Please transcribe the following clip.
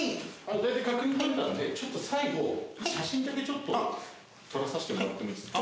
大体確認取ったんでちょっと最後写真だけちょっと撮らさせてもらってもいいですか。